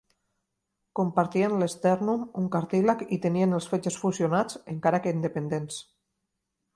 Compartien l'estèrnum, un cartílag i tenien els fetges fusionats, encara que independents.